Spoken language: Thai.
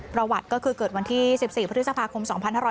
ประวัติก็คือเกิดวันที่๑๔พฤษภาคม๒๕๖๐